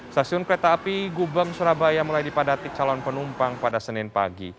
stasiun kereta api gubeng surabaya mulai dipadati calon penumpang pada senin pagi